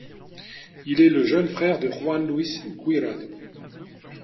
Il est le jeune frère de Juan Luis Guirado.